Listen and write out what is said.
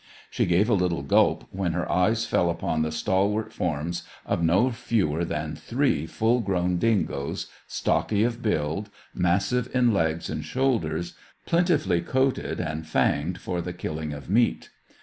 She gave a little gulp when her eyes fell upon the stalwart forms of no fewer than three full grown dingoes, stocky of build, massive in legs and shoulders, plentifully coated, and fanged for the killing of meat.